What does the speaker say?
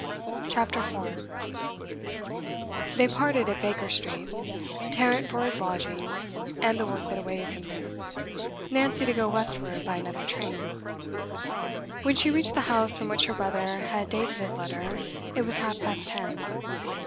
CHAPTER 4 They parted at Baker Street, Tarrant for his lodgings and the work that awaited him there, Nancy to go westward by another train. When she reached the house from which her brother had dated his letter, it was half past ten.